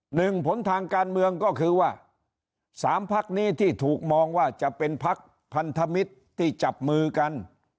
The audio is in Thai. หนึ่งผลทางการเมืองก็คือว่าสามพักนี้ที่ถูกมองว่าจะเป็นพักพันธมิตรที่จับมือกัน